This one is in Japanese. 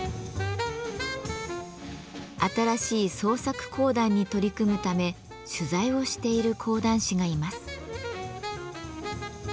新しい創作講談に取り組むため取材をしている講談師がいます。